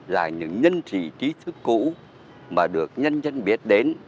là những nhân trí ký thức cũ mà được nhân dân biết đến